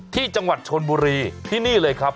ที่จังหวัดชนบุรีที่นี่เลยครับ